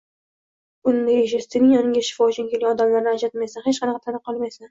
– Unda eshit: sening yoningga shifo uchun kelgan odamlarni ajratmaysan, hech narsa ta’ma qilmaysan